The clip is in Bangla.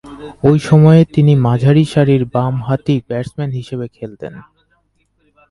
ঐ সময়ে তিনি মাঝারিসারির বামহাতি ব্যাটসম্যান হিসেবে খেলতেন।